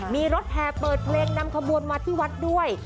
มีรถแห่เปิดเพลงนำขบวนมาที่วัดด้วย